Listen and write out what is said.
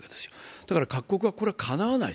だから各国がこれはかなわないと。